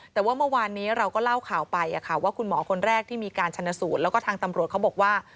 แต่ว่าเมื่อวานนี้เราก็เล่าข่าวไปว่าคุณหมอคนแรกที่มีการชนสูตรแล้วก็ทางตำรวจเขาบอกว่า